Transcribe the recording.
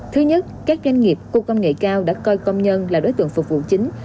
thứ nhất các doanh nghiệp khu công nghệ cao đã coi công nhân là đối tượng phục vụ chính